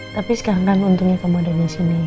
tapi sekarang kan untungnya kamu ada disini